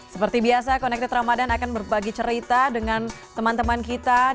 seperti biasa connected ramadan akan berbagi cerita dengan teman teman kita